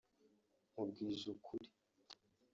“Nkubwije ukuri